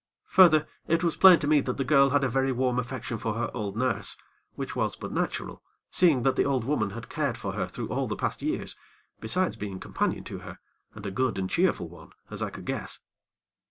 Further, it was plain to me that the girl had a very warm affection for her old nurse, which was but natural, seeing that the old woman had cared for her through all the past years, besides being companion to her, and a good and cheerful one, as I could guess.